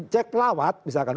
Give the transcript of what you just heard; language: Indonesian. cek pelawat misalkan